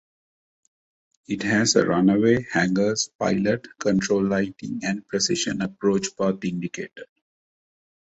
It has a runway, hangars, pilot control lighting, and a Precision Approach Path Indicator.